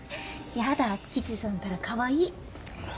やだ吉瀬さんったらかわいい！